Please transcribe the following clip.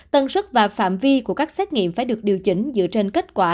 tần suất và phạm vi của các xét nghiệm phải được điều chỉnh dựa trên kết quả